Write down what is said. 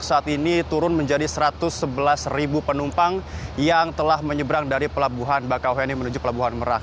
saat ini turun menjadi satu ratus sebelas penumpang yang telah menyeberang dari pelabuhan merak